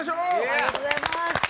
ありがとうございます。